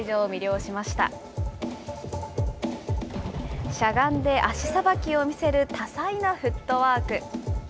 しゃがんで足さばきを見せる多彩なフットワーク。